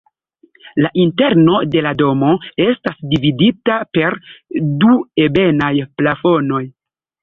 La interno de la domo estas dividita per du ebenaj plafonoj.